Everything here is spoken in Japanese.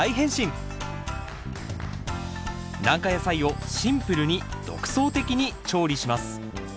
軟化野菜をシンプルに独創的に調理します。